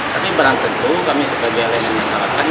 tapi barang tentu kami sebagai lain yang menyesalakan